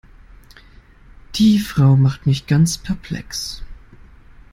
Die Frau macht mich ganz perplex.